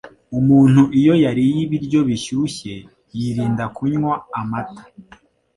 Umuntu iyo yariye ibiryo bishushye, yirinda kunywa amata